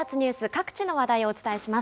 各地の話題をお伝えします。